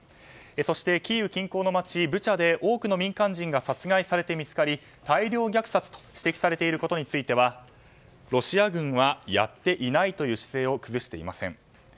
そしてキーウ近郊の街ブチャで多くの民間人が殺害されて見つかり大量虐殺と指摘されていることについてはロシア軍はやっていないという姿勢を崩していません。